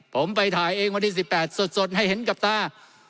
ผมไปถ่ายเองวันที่สิบแปดสดสดให้เห็นกับตา